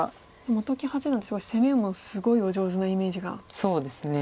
本木八段ってすごい攻めもすごいお上手なイメージがありますよね。